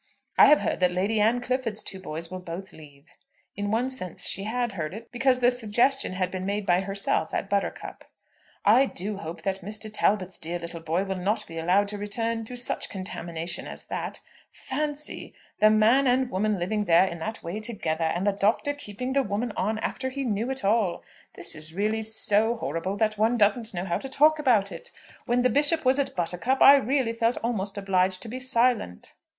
I have heard that Lady Anne Clifford's two boys will both leave." [In one sense she had heard it, because the suggestion had been made by herself at Buttercup.] "I do hope that Mr. Talbot's dear little boy will not be allowed to return to such contamination as that! Fancy, the man and the woman living there in that way together; and the Doctor keeping the woman on after he knew it all! It is really so horrible that one doesn't know how to talk about it. When the Bishop was at Buttercup I really felt almost obliged to be silent.